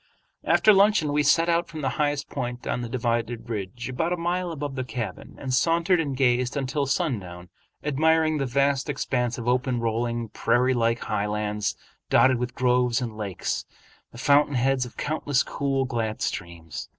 After luncheon we set out for the highest point on the dividing ridge about a mile above the cabin, and sauntered and gazed until sundown, admiring the vast expanse of open rolling prairie like highlands dotted with groves and lakes, the fountain heads of countless cool, glad streams.